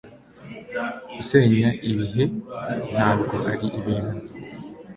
Kusenya ibihe ntabwo ari ibintu.